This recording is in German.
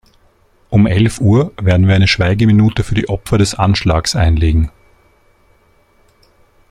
Um elf Uhr werden wir eine Schweigeminute für die Opfer des Anschlags einlegen.